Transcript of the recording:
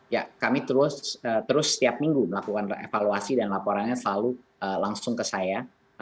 ya kami terus setiap minggu melakukan evaluasi dan laporannya selalu langsung ke saya